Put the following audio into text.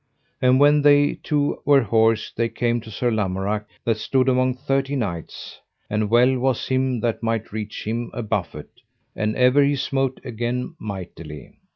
And when they two were horsed they came to Sir Lamorak that stood among thirty knights; and well was him that might reach him a buffet, and ever he smote again mightily.